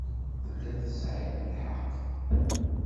Telliḍ tesɛiḍ lḥeqq.